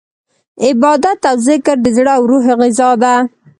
عبادت او ذکر د زړه او روح غذا ده.